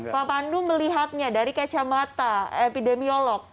pak pandu melihatnya dari kacamata epidemiolog